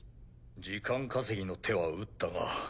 時間稼ぎの手は打ったが。